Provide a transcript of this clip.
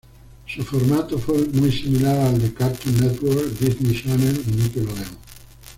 Su formato fue muy similar al de Cartoon Network, Disney Channel y Nickelodeon.